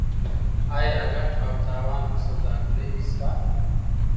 آیا ګټه او تاوان په سوداګرۍ کې شته؟